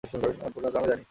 পরিণতি আমি জানি।